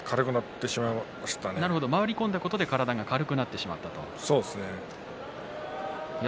回り込んだことで体が軽くなってしまったんですね。